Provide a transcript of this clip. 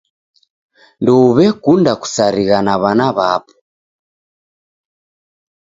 Ndouw'ekunda kusarigha na w'ana w'apo.